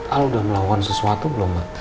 ah udah melakukan sesuatu belum mbak